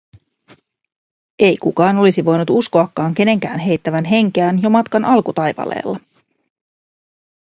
Ei kukaan olisi voinut uskoakaan kenenkään heittävän henkeään jo matkan alkutaipaleella.